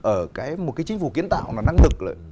ở cái một cái chính phủ kiến tạo là năng lực đấy